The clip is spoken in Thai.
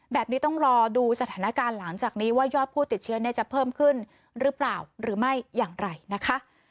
แบบนี้ต้องรอดูสถานการณ์หลังจากนี้ว่ายอดผู้ติดเชื้อจะเพิ่มขึ้นหรือเปล่าหรือไม่อย่างไรนะคะ